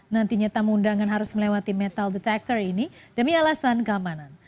nantinya tamu undangan harus melewati metal detector ini demi alasan keamanan